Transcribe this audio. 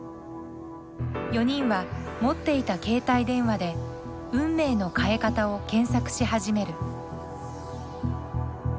４人は持っていた携帯電話で運命の変え方を検索し始める。